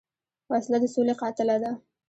وسله د سولې قاتله ده